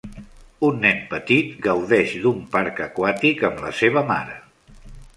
Un nen petit gaudeix d'un parc aquàtic amb la seva mare.